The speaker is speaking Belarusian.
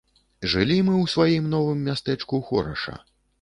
Жылі мы ў сваім новым мястэчку хораша.